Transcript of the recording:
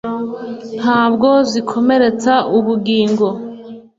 Ntabwo zikomeretsa ubugingo